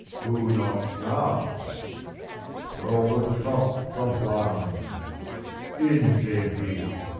" Who knocks now ?"" Twelve of the clock, Don Juan." In came he.